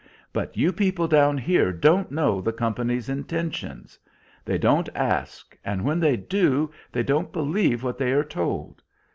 "But you people down here don't know the company's intentions; they don't ask, and when they do they won't believe what they are told.